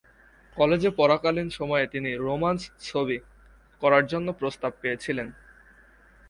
কলেজে পড়াকালীন সময়ে তিনি "রোমান্স ছবি" করার জন্য প্রস্তাব পেয়েছিলেন।